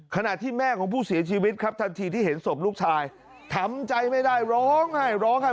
ขณะที่แม่ของผู้เสียชีวิตครับทันทีที่เห็นศพลูกชายทำใจไม่ได้ร้องไห้ร้องไห้